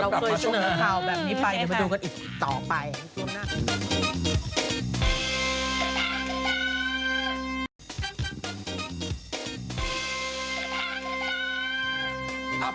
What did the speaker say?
เราเคยเชิญข่าวแบบนี้ไปเดี๋ยวมาดูกันอีกต่อไป